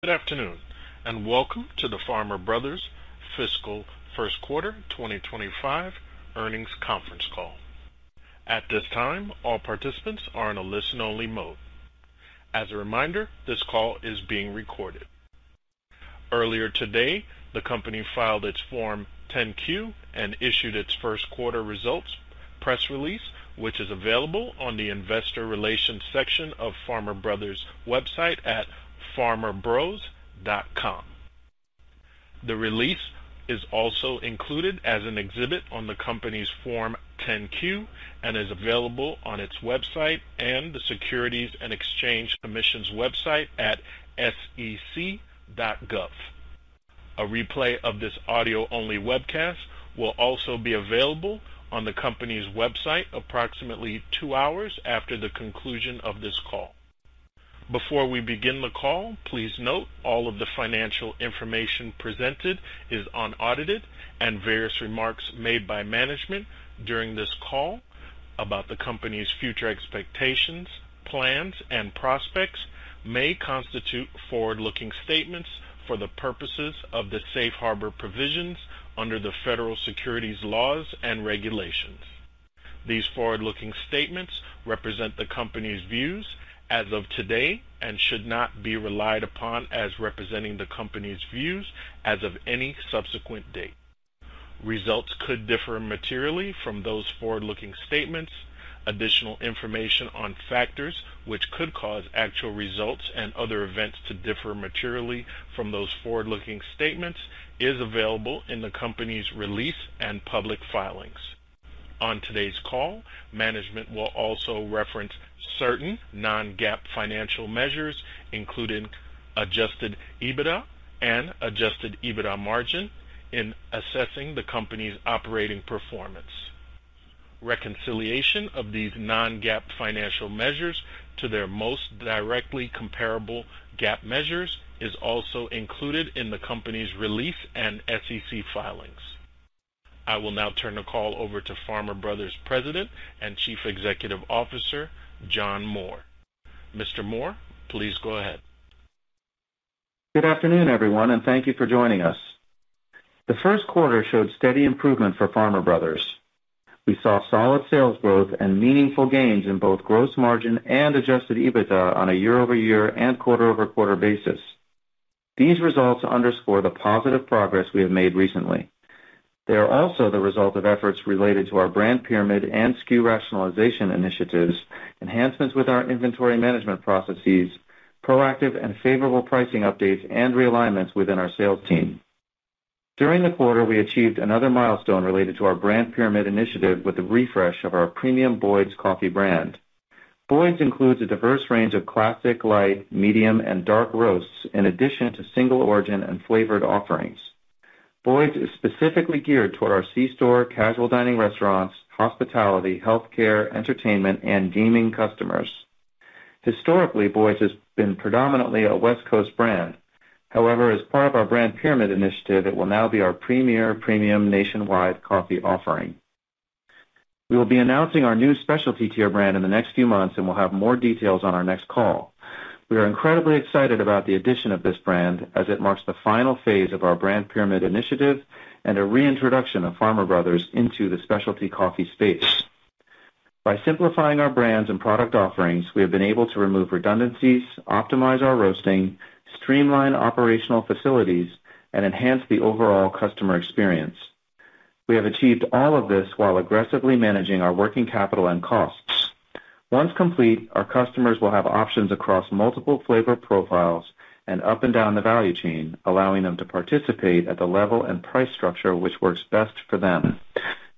Good afternoon and welcome to the Farmer Brothers Fiscal First Quarter 2025 Earnings Conference Call. At this time, all participants are in a listen-only mode. As a reminder, this call is being recorded. Earlier today, the company filed its Form 10-Q and issued its first quarter results press release, which is available on the investor relations section of Farmer Brothers' website at farmerbros.com. The release is also included as an exhibit on the company's Form 10-Q and is available on its website and the Securities and Exchange Commission's website at sec.gov. A replay of this audio-only webcast will also be available on the company's website approximately two hours after the conclusion of this call. Before we begin the call, please note all of the financial information presented is unaudited, and various remarks made by management during this call about the company's future expectations, plans, and prospects may constitute forward-looking statements for the purposes of the safe harbor provisions under the federal securities laws and regulations. These forward-looking statements represent the company's views as of today and should not be relied upon as representing the company's views as of any subsequent date. Results could differ materially from those forward-looking statements. Additional information on factors which could cause actual results and other events to differ materially from those forward-looking statements is available in the company's release and public filings. On today's call, management will also reference certain non-GAAP financial measures, including adjusted EBITDA and adjusted EBITDA margin, in assessing the company's operating performance. Reconciliation of these non-GAAP financial measures to their most directly comparable GAAP measures is also included in the company's release and SEC filings. I will now turn the call over to Farmer Brothers President and Chief Executive Officer, John Moore. Mr. Moore, please go ahead. Good afternoon, everyone, and thank you for joining us. The first quarter showed steady improvement for Farmer Bros. We saw solid sales growth and meaningful gains in both gross margin and adjusted EBITDA on a year-over-year and quarter-over-quarter basis. These results underscore the positive progress we have made recently. They are also the result of efforts related to our brand pyramid and SKU rationalization initiatives, enhancements with our inventory management processes, proactive and favorable pricing updates, and realignments within our sales team. During the quarter, we achieved another milestone related to our brand pyramid initiative with the refresh of our premium Boyd's coffee brand. Boyd's includes a diverse range of classic, light, medium, and dark roasts, in addition to single-origin and flavored offerings. Boyd's is specifically geared toward our c-store, casual dining restaurants, hospitality, healthcare, entertainment, and gaming customers. Historically, Boyd's has been predominantly a West Coast brand. However, as part of our brand pyramid initiative, it will now be our premier premium nationwide coffee offering. We will be announcing our new specialty tier brand in the next few months, and we'll have more details on our next call. We are incredibly excited about the addition of this brand as it marks the final phase of our brand pyramid initiative and a reintroduction of Farmer Brothers into the specialty coffee space. By simplifying our brands and product offerings, we have been able to remove redundancies, optimize our roasting, streamline operational facilities, and enhance the overall customer experience. We have achieved all of this while aggressively managing our working capital and costs. Once complete, our customers will have options across multiple flavor profiles and up and down the value chain, allowing them to participate at the level and price structure which works best for them.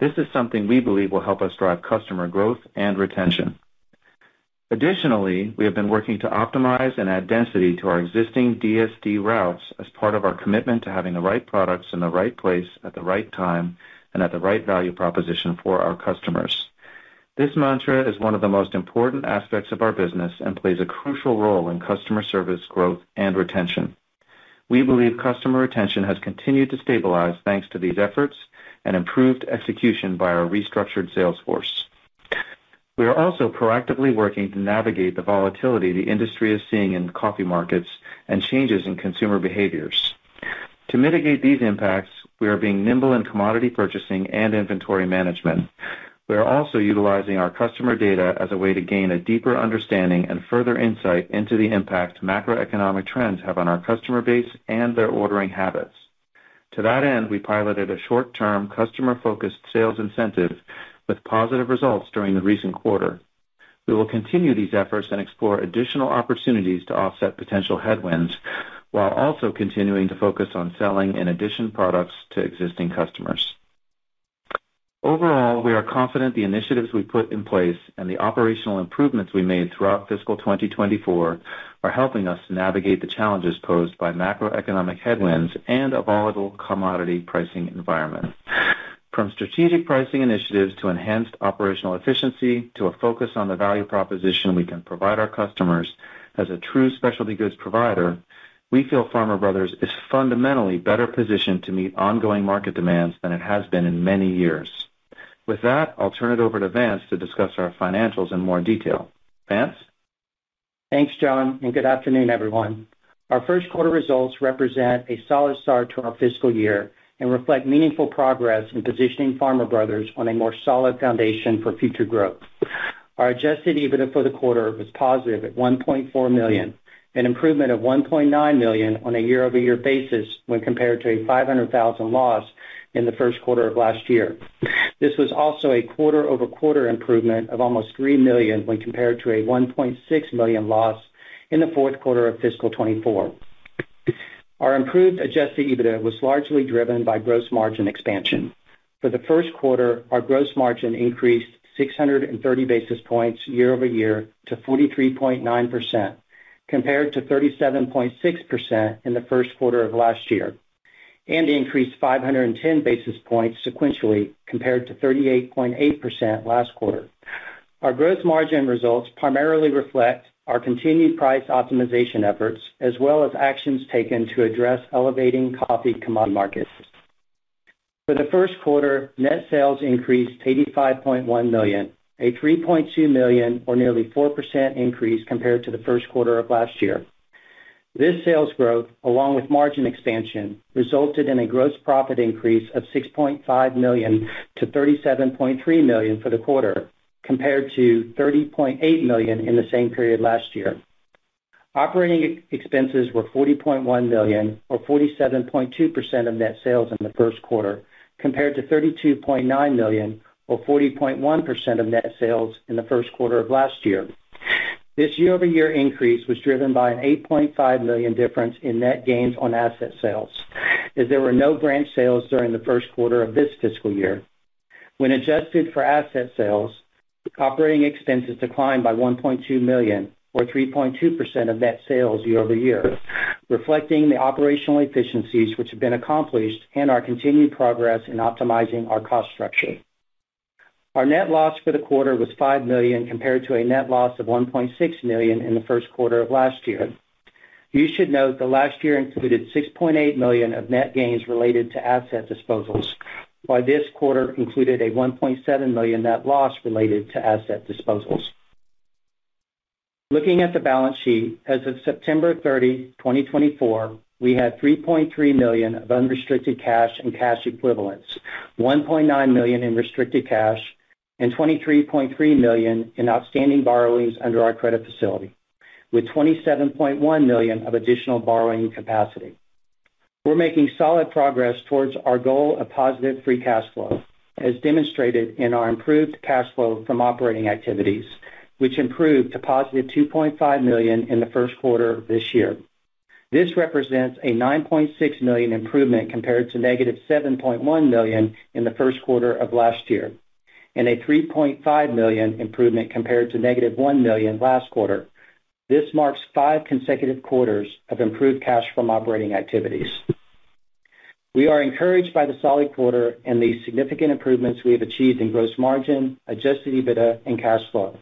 This is something we believe will help us drive customer growth and retention. Additionally, we have been working to optimize and add density to our existing DSD routes as part of our commitment to having the right products in the right place at the right time and at the right value proposition for our customers. This mantra is one of the most important aspects of our business and plays a crucial role in customer service growth and retention. We believe customer retention has continued to stabilize thanks to these efforts and improved execution by our restructured sales force. We are also proactively working to navigate the volatility the industry is seeing in coffee markets and changes in consumer behaviors. To mitigate these impacts, we are being nimble in commodity purchasing and inventory management. We are also utilizing our customer data as a way to gain a deeper understanding and further insight into the impact macroeconomic trends have on our customer base and their ordering habits. To that end, we piloted a short-term customer-focused sales incentive with positive results during the recent quarter. We will continue these efforts and explore additional opportunities to offset potential headwinds while also continuing to focus on selling in addition products to existing customers. Overall, we are confident the initiatives we put in place and the operational improvements we made throughout fiscal 2024 are helping us navigate the challenges posed by macroeconomic headwinds and a volatile commodity pricing environment. From strategic pricing initiatives to enhanced operational efficiency to a focus on the value proposition we can provide our customers as a true specialty goods provider, we feel Farmer Brothers is fundamentally better positioned to meet ongoing market demands than it has been in many years. With that, I'll turn it over to Vance to discuss our financials in more detail. Vance? Thanks, John, and good afternoon, everyone. Our first quarter results represent a solid start to our fiscal year and reflect meaningful progress in positioning Farmer Brothers on a more solid foundation for future growth. Our adjusted EBITDA for the quarter was positive at $1.4 million, an improvement of $1.9 million on a year-over-year basis when compared to a $500,000 loss in the first quarter of last year. This was also a quarter-over-quarter improvement of almost $3 million when compared to a $1.6 million loss in the fourth quarter of fiscal 2024. Our improved adjusted EBITDA was largely driven by gross margin expansion. For the first quarter, our gross margin increased 630 basis points year-over-year to 43.9%, compared to 37.6% in the first quarter of last year, and increased 510 basis points sequentially compared to 38.8% last quarter. Our gross margin results primarily reflect our continued price optimization efforts as well as actions taken to address elevating coffee commodity markets. For the first quarter, net sales increased $85.1 million, a $3.2 million or nearly 4% increase compared to the first quarter of last year. This sales growth, along with margin expansion, resulted in a gross profit increase of $6.5 million to $37.3 million for the quarter, compared to $30.8 million in the same period last year. Operating expenses were $40.1 million or 47.2% of net sales in the first quarter, compared to $32.9 million or 40.1% of net sales in the first quarter of last year. This year-over-year increase was driven by an $8.5 million difference in net gains on asset sales, as there were no branch sales during the first quarter of this fiscal year. When adjusted for asset sales, operating expenses declined by $1.2 million or 3.2% of net sales year-over-year, reflecting the operational efficiencies which have been accomplished and our continued progress in optimizing our cost structure. Our net loss for the quarter was $5 million compared to a net loss of $1.6 million in the first quarter of last year. You should note the last year included $6.8 million of net gains related to asset disposals, while this quarter included a $1.7 million net loss related to asset disposals. Looking at the balance sheet, as of September 30, 2024, we had $3.3 million of unrestricted cash and cash equivalents, $1.9 million in restricted cash, and $23.3 million in outstanding borrowings under our credit facility, with $27.1 million of additional borrowing capacity. We're making solid progress towards our goal of positive free cash flow, as demonstrated in our improved cash flow from operating activities, which improved to positive $2.5 million in the first quarter of this year. This represents a $9.6 million improvement compared to negative $7.1 million in the first quarter of last year, and a $3.5 million improvement compared to negative $1 million last quarter. This marks five consecutive quarters of improved cash from operating activities. We are encouraged by the solid quarter and the significant improvements we have achieved in gross margin, adjusted EBITDA, and cash flow.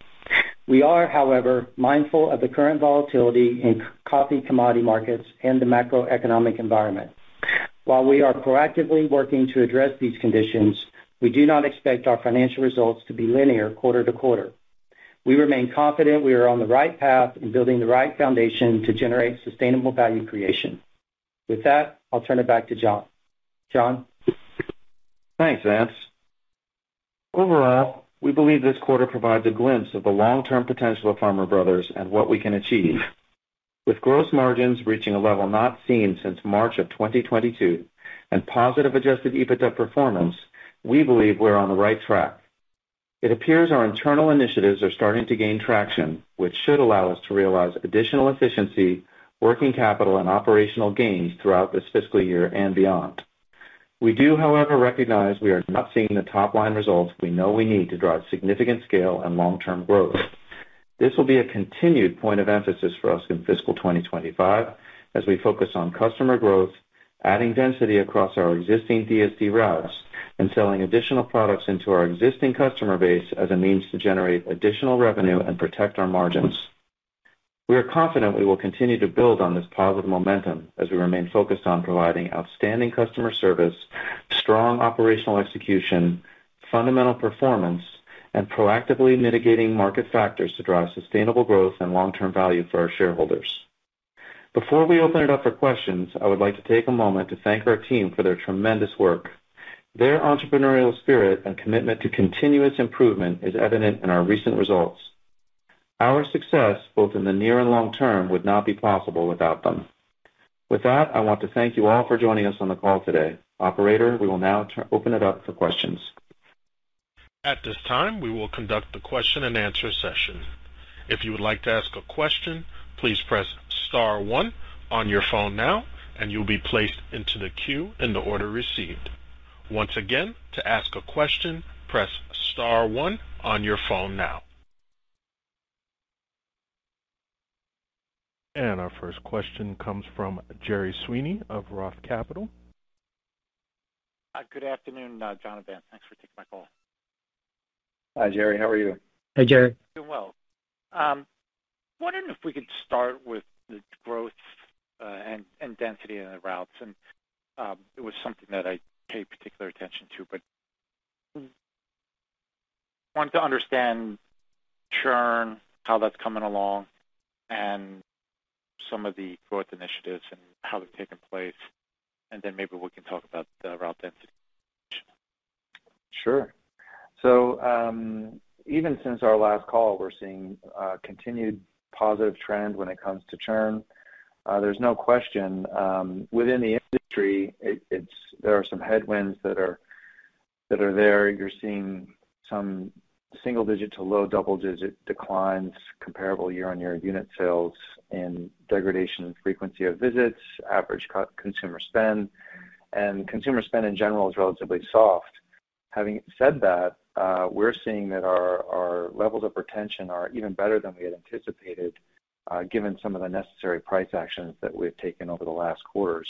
We are, however, mindful of the current volatility in coffee commodity markets and the macroeconomic environment. While we are proactively working to address these conditions, we do not expect our financial results to be linear quarter to quarter. We remain confident we are on the right path and building the right foundation to generate sustainable value creation. With that, I'll turn it back to John. John? Thanks, Vance. Overall, we believe this quarter provides a glimpse of the long-term potential of Farmer Brothers and what we can achieve. With gross margins reaching a level not seen since March of 2022 and positive adjusted EBITDA performance, we believe we're on the right track. It appears our internal initiatives are starting to gain traction, which should allow us to realize additional efficiency, working capital, and operational gains throughout this fiscal year and beyond. We do, however, recognize we are not seeing the top-line results we know we need to drive significant scale and long-term growth. This will be a continued point of emphasis for us in fiscal 2025. As we focus on customer growth, adding density across our existing DSD routes, and selling additional products into our existing customer base as a means to generate additional revenue and protect our margins. We are confident we will continue to build on this positive momentum as we remain focused on providing outstanding customer service, strong operational execution, fundamental performance, and proactively mitigating market factors to drive sustainable growth and long-term value for our shareholders. Before we open it up for questions, I would like to take a moment to thank our team for their tremendous work. Their entrepreneurial spirit and commitment to continuous improvement is evident in our recent results. Our success, both in the near and long term, would not be possible without them. With that, I want to thank you all for joining us on the call today. Operator, we will now open it up for questions. At this time, we will conduct the question-and-answer session. If you would like to ask a question, please press star one on your phone now, and you'll be placed into the queue in the order received. Once again, to ask a question, press star one on your phone now. Our first question comes from Gerry Sweeney of Roth Capital. Good afternoon, John and Vance. Thanks for taking my call. Hi, Gerry. How are you? Hi, Gerry. Doing well. Wondering if we could start with the growth and density in the routes. It was something that I paid particular attention to, but wanted to understand churn, how that's coming along, and some of the growth initiatives and how they've taken place. Maybe we can talk about the route density. Sure. Even since our last call, we're seeing a continued positive trend when it comes to churn. There's no question within the industry, there are some headwinds that are there. You're seeing some single-digit to low double-digit declines, comparable year-on-year unit sales in degradation and frequency of visits, average consumer spend. Consumer spend in general is relatively soft. Having said that, we're seeing that our levels of retention are even better than we had anticipated, given some of the necessary price actions that we've taken over the last quarters,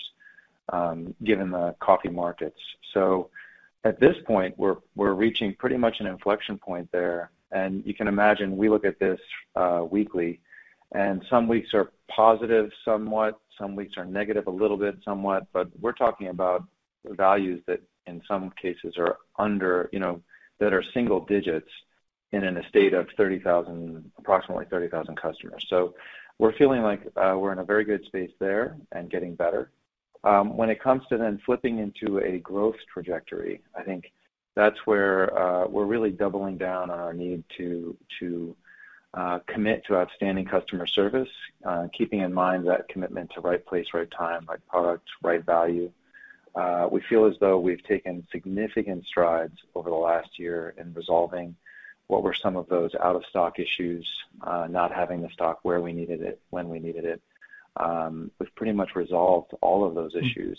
given the coffee markets. At this point, we're reaching pretty much an inflection point there. You can imagine we look at this weekly, and some weeks are positive somewhat, some weeks are negative a little bit somewhat. We're talking about values that in some cases are under, that are single digits, in an estate of approximately 30,000 customers. We are feeling like we are in a very good space there and getting better. When it comes to flipping into a growth trajectory, I think that's where we are really doubling down on our need to commit to outstanding customer service, keeping in mind that commitment to right place, right time, right product, right value. We feel as though we have taken significant strides over the last year in resolving what were some of those out-of-stock issues, not having the stock where we needed it, when we needed it. We have pretty much resolved all of those issues.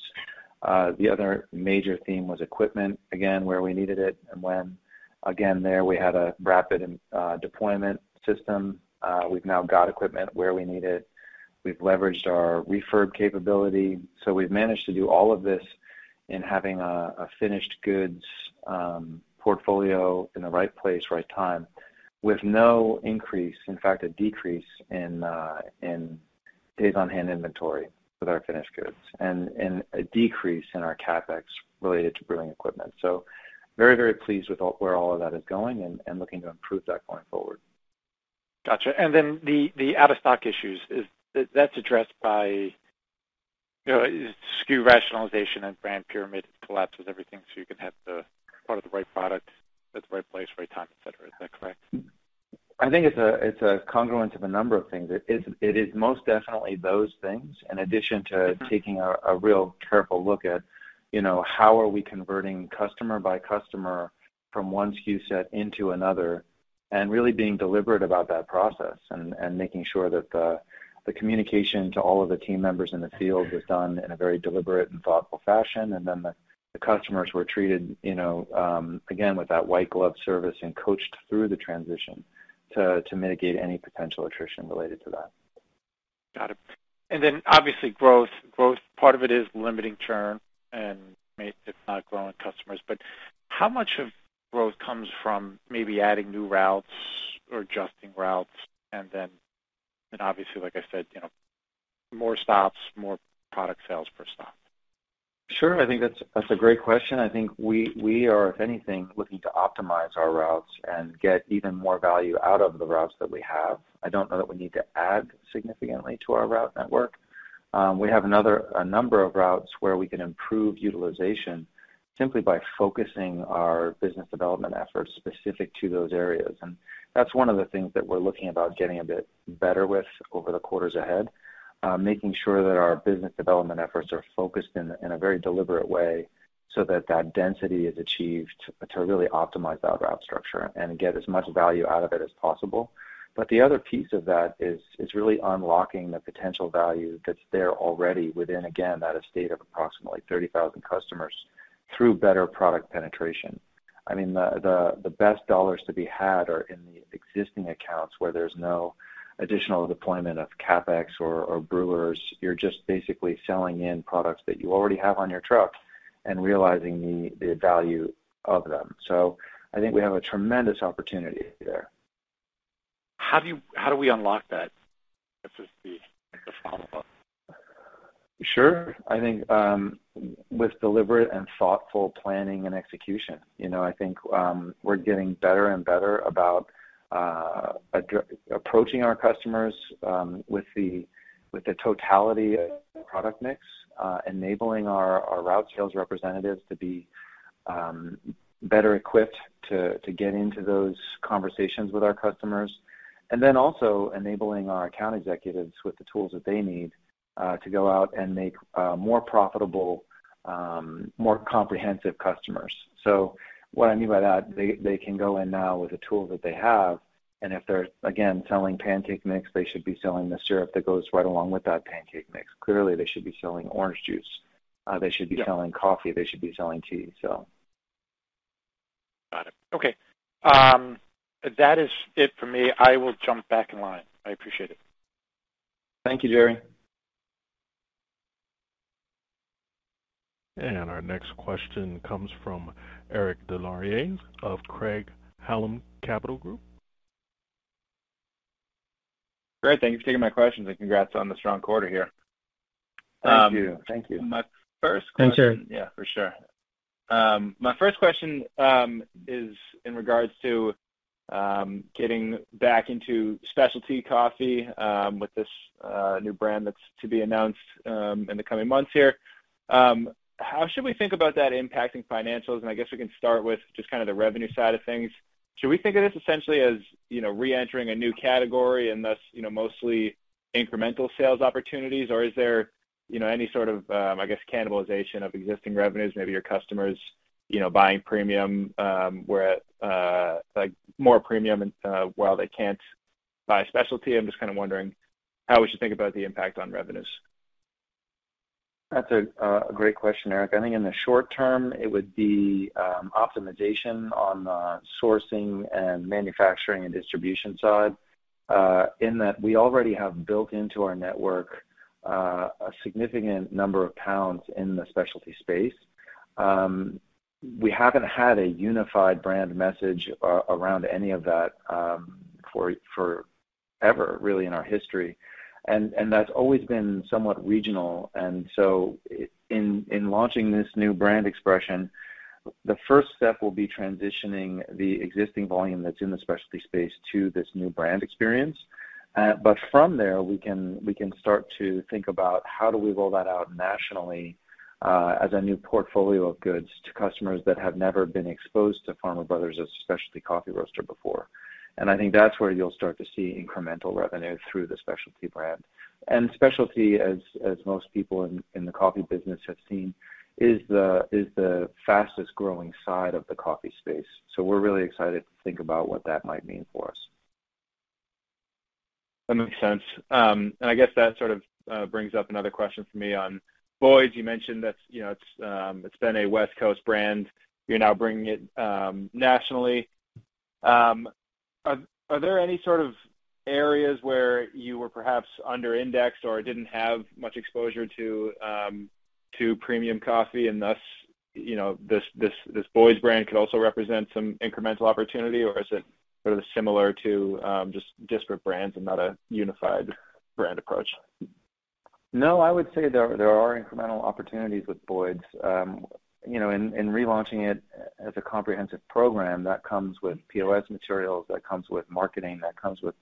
The other major theme was equipment, again, where we needed it and when. Again, there we had a rapid deployment system. We have now got equipment where we need it. We've leveraged our refurb capability. We've managed to do all of this in having a finished goods portfolio in the right place, right time, with no increase, in fact, a decrease in days on hand inventory with our finished goods and a decrease in our CapEx related to brewing equipment. Very, very pleased with where all of that is going and looking to improve that going forward. Gotcha. The out-of-stock issues, is that addressed by SKU rationalization and brand pyramid collapses everything so you can have the part of the right product at the right place, right time, etc.? Is that correct? I think it's a congruence of a number of things. It is most definitely those things in addition to taking a real careful look at how are we converting customer by customer from one SKU set into another and really being deliberate about that process and making sure that the communication to all of the team members in the field was done in a very deliberate and thoughtful fashion. The customers were treated, again, with that white glove service and coached through the transition to mitigate any potential attrition related to that. Got it. Obviously, growth, part of it is limiting churn and if not growing customers. How much of growth comes from maybe adding new routes or adjusting routes and obviously, like I said, more stops, more product sales per stop? Sure. I think that's a great question. I think we are, if anything, looking to optimize our routes and get even more value out of the routes that we have. I don't know that we need to add significantly to our route network. We have a number of routes where we can improve utilization simply by focusing our business development efforts specific to those areas. That is one of the things that we're looking about getting a bit better with over the quarters ahead, making sure that our business development efforts are focused in a very deliberate way so that that density is achieved to really optimize that route structure and get as much value out of it as possible. The other piece of that is really unlocking the potential value that's there already within, again, that estate of approximately 30,000 customers through better product penetration. I mean, the best dollars to be had are in the existing accounts where there's no additional deployment of CapEx or brewers. You're just basically selling in products that you already have on your truck and realizing the value of them. I think we have a tremendous opportunity there. How do we unlock that? This is the follow-up. Sure. I think with deliberate and thoughtful planning and execution, I think we're getting better and better about approaching our customers with the totality of product mix, enabling our route sales representatives to be better equipped to get into those conversations with our customers, and then also enabling our account executives with the tools that they need to go out and make more profitable, more comprehensive customers. What I mean by that, they can go in now with the tools that they have. If they're, again, selling pancake mix, they should be selling the syrup that goes right along with that pancake mix. Clearly, they should be selling orange juice. They should be selling coffee. They should be selling tea. Got it. Okay. That is it for me. I will jump back in line. I appreciate it. Thank you, Gerry. Our next question comes from Eric Des Lauriers of Craig-Hallum Capital Group. Great. Thank you for taking my questions. Congrats on the strong quarter here. Thank you. Thank you. Thanks, Eric. Yeah, for sure. My first question is in regards to getting back into specialty coffee with this new brand that's to be announced in the coming months here. How should we think about that impacting financials? I guess we can start with just kind of the revenue side of things. Should we think of this essentially as reentering a new category and thus mostly incremental sales opportunities, or is there any sort of, I guess, cannibalization of existing revenues, maybe your customers buying premium where more premium while they can't buy specialty? I'm just kind of wondering how we should think about the impact on revenues. That's a great question, Eric. I think in the short term, it would be optimization on the sourcing and manufacturing and distribution side in that we already have built into our network a significant number of pounds in the specialty space. We haven't had a unified brand message around any of that forever, really, in our history. That's always been somewhat regional. In launching this new brand expression, the first step will be transitioning the existing volume that's in the specialty space to this new brand experience. From there, we can start to think about how do we roll that out nationally as a new portfolio of goods to customers that have never been exposed to Farmer Bros. as a specialty coffee roaster before. I think that's where you'll start to see incremental revenue through the specialty brand. Specialty, as most people in the coffee business have seen, is the fastest growing side of the coffee space. We are really excited to think about what that might mean for us. That makes sense. I guess that sort of brings up another question for me on Boyd's. You mentioned that it's been a West Coast brand. You're now bringing it nationally. Are there any sort of areas where you were perhaps under-indexed or didn't have much exposure to premium coffee and thus this Boyd's brand could also represent some incremental opportunity? Or is it sort of similar to just disparate brands and not a unified brand approach? No, I would say there are incremental opportunities with Boyd's. In relaunching it as a comprehensive program, that comes with POS materials, that comes with marketing, that comes with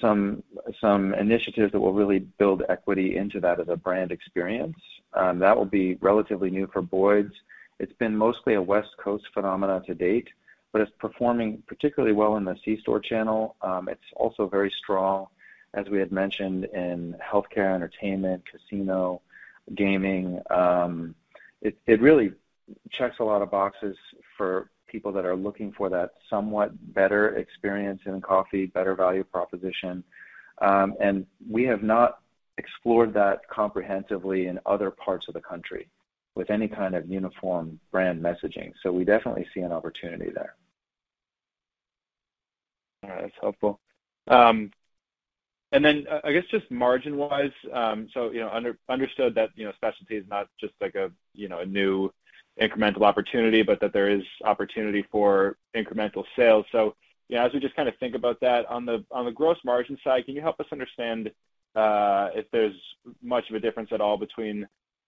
some initiatives that will really build equity into that as a brand experience. That will be relatively new for Boyd's. It's been mostly a West Coast phenomenon to date, but it's performing particularly well in the C-store channel. It's also very strong, as we had mentioned, in healthcare, entertainment, casino, gaming. It really checks a lot of boxes for people that are looking for that somewhat better experience in coffee, better value proposition. We have not explored that comprehensively in other parts of the country with any kind of uniform brand messaging. We definitely see an opportunity there. That's helpful. I guess just margin-wise, so understood that specialty is not just a new incremental opportunity, but that there is opportunity for incremental sales. As we just kind of think about that on the gross margin side, can you help us understand if there's much of a difference at all between,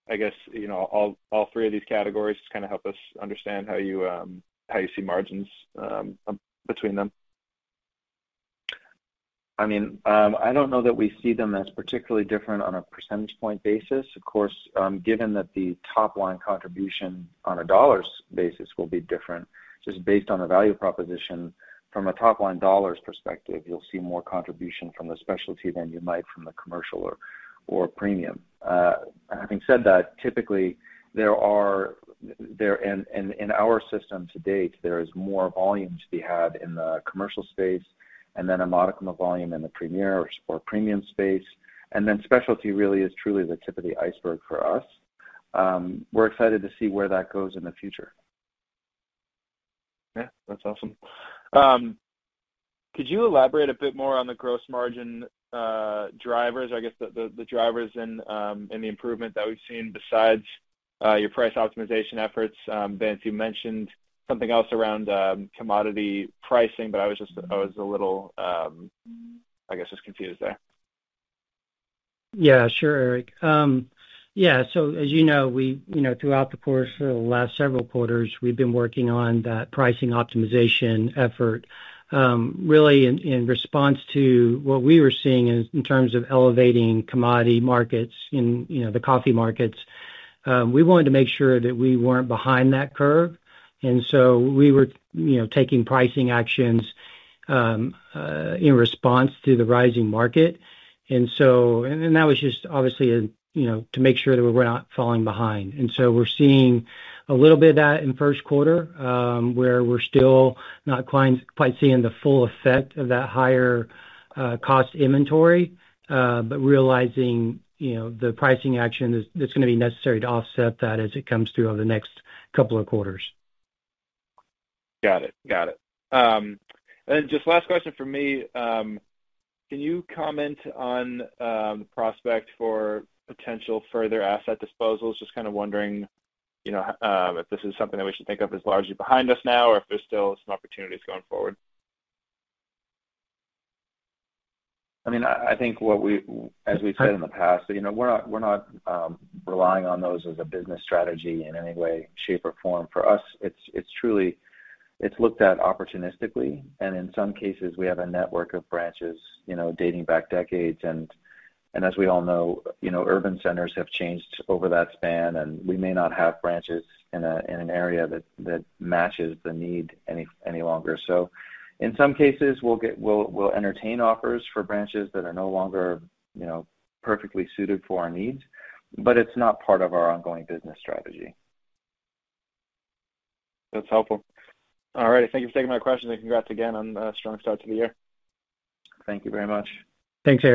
I guess, all three of these categories? Just kind of help us understand how you see margins between them. I mean, I don't know that we see them as particularly different on a percentage point basis. Of course, given that the top-line contribution on a dollars basis will be different, just based on the value proposition, from a top-line dollars perspective, you'll see more contribution from the specialty than you might from the commercial or premium. Having said that, typically, in our system to date, there is more volume to be had in the commercial space and then a modicum of volume in the premium space. And then specialty really is truly the tip of the iceberg for us. We're excited to see where that goes in the future. Yeah. That's awesome. Could you elaborate a bit more on the gross margin drivers, I guess, the drivers in the improvement that we've seen besides your price optimization efforts? Vance, you mentioned something else around commodity pricing, but I was a little, I guess, just confused there. Yeah. Sure, Eric. Yeah. As you know, throughout the course of the last several quarters, we've been working on that pricing optimization effort really in response to what we were seeing in terms of elevating commodity markets in the coffee markets. We wanted to make sure that we weren't behind that curve. We were taking pricing actions in response to the rising market. That was just obviously to make sure that we're not falling behind. We're seeing a little bit of that in first quarter where we're still not quite seeing the full effect of that higher cost inventory, but realizing the pricing action that's going to be necessary to offset that as it comes through over the next couple of quarters. Got it. Got it. Just last question for me. Can you comment on the prospect for potential further asset disposals? Just kind of wondering if this is something that we should think of as largely behind us now or if there's still some opportunities going forward. I mean, I think as we've said in the past, we're not relying on those as a business strategy in any way, shape, or form. For us, it's looked at opportunistically. In some cases, we have a network of branches dating back decades. As we all know, urban centers have changed over that span, and we may not have branches in an area that matches the need any longer. In some cases, we'll entertain offers for branches that are no longer perfectly suited for our needs, but it's not part of our ongoing business strategy. That's helpful. All right. Thank you for taking my questions. Congrats again on a strong start to the year. Thank you very much. Thanks Eric.